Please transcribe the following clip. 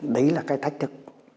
đấy là cái thách thức